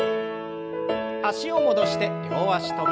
脚を戻して両脚跳び。